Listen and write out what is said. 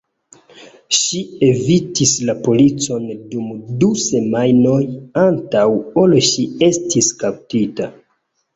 Ŝi evitis la policon dum du semajnoj antaŭ ol ŝi estis kaptita.